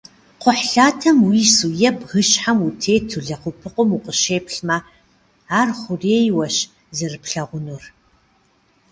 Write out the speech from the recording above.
Кхъухьлъатэм уису е бгыщхьэм утету лэгъупыкъум укъыщеплъмэ, ар хъурейуэщ зэрыплъэгъунур.